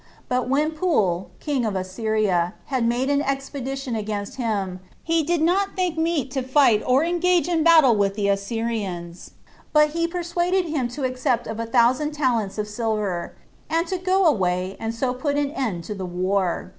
But when Pul, king of Assyria, had made an expedition against him, he did not think meet to fight or engage in battle with the Assyrians, but he persuaded him to accept of a thousand talents of silver, and to go away, and so put an end to the war.